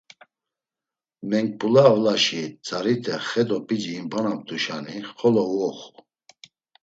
Menkbule avlaşi tzarite xe do p̌ici imbonamt̆uşani xolo uyoxu.